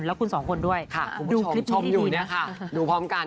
แล้วคุณสองคนด้วยค่ะดูคลิปนี้ดีดูพร้อมกัน